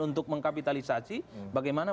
untuk mengkapitalisasi bagaimana